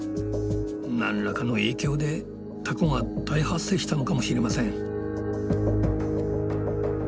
何らかの影響でタコが大発生したのかもしれません。